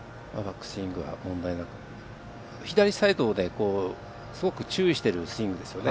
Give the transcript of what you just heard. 左サイドですごく注意しているスイングですよね。